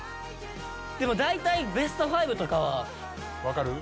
でも大体ベスト５とかはわかるから。